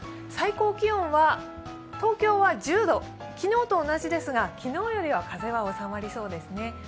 最高気温は東京は１０度昨日と同じですが昨日よりは風は収まりそうですね。